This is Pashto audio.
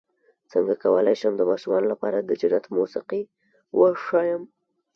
څنګه کولی شم د ماشومانو لپاره د جنت موسيقي وښایم